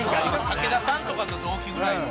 武田さんとかと同期ぐらいの。